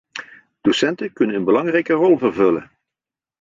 Docenten kunnen een belangrijke rol vervullen.